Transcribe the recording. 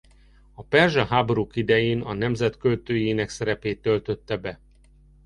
A perzsa háborúk idején a nemzet költőjének szerepét töltötte be.